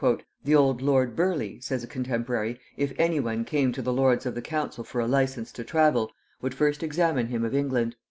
"] "The old lord Burleigh," says a contemporary, "if any one came to the lords of the council for a license to travel, would first examine him of England.